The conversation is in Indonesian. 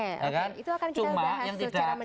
itu akan kita bahas secara mendalam itu